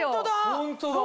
ホントだ。